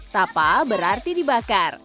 tapa berarti dibakar